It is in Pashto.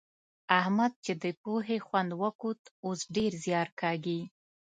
احمد چې د پوهې خوند وکوت؛ اوس ډېر زيار کاږي.